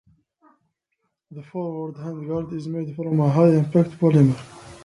The forward handguard is made from a high-impact polymer.